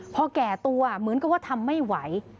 พอแก่ตัวเหมือนกับว่าทำไม่ไหว